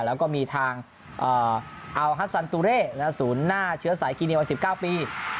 แล้วก็มีทางอัลฮัสซันตูเร่ศูนย์หน้าเชื้อสายคีเนียวัย๑๙ปี